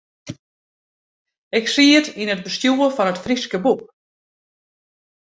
Ik siet yn it bestjoer fan It Fryske Boek.